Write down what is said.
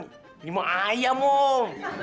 ini mau ayam om